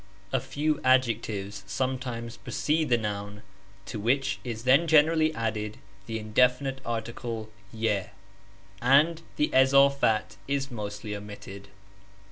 A few adjectives sometimes precede the noun, to which is then generally added the indefinite article <j (y], and the izafat is mostly omitted.